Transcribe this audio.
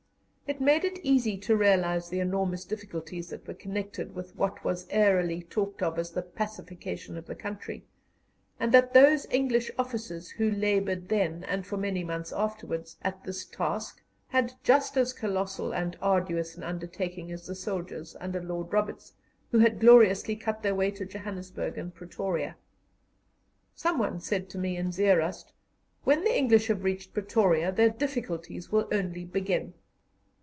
It made it easy to realize the enormous difficulties that were connected with what was airily talked of as the "pacification of the country," and that those English officers who laboured then, and for many months afterwards, at this task had just as colossal and arduous an undertaking as the soldiers under Lord Roberts, who had gloriously cut their way to Johannesburg and Pretoria. Someone said to me in Zeerust: "When the English have reached Pretoria their difficulties will only begin."